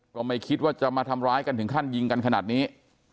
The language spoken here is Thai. ก็ไม่คิดว่าจะมาทำร้ายกันถึงขั้นยิงกันขนาดนี้